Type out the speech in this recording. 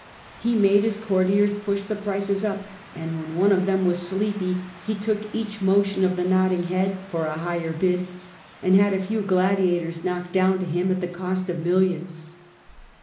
He made his courtiers push the prices up ; and when one of them was sleepy he took each mo tion of the nodding head for a higher bid, and had a few gladiators knocked down to him at the cost of millions.